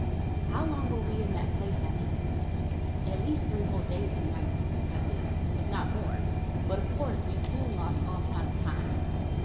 How long were we in that place after this? At least three whole days and nights, I believe, if not more, but of course we soon lost all count of time.